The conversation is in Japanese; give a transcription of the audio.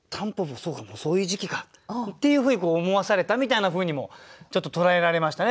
そうかもうそういう時期か」っていうふうに思わされたみたいなふうにもちょっと捉えられましたね。